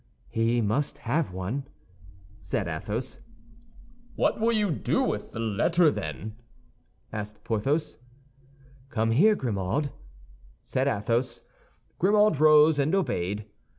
"He must have one," said Athos. "What will you do with the letter, then?" asked Porthos. "Come here, Grimaud," said Athos. Grimaud rose and obeyed.